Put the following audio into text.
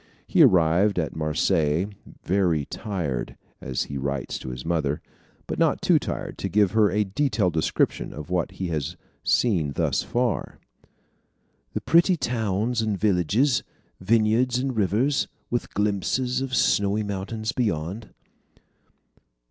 He arrived at Marseilles "very tired," as he writes to his mother, but not too tired to give her a detailed description of what he has seen thus far "the pretty towns and villages, vineyards and rivers, with glimpses of snowy mountains beyond."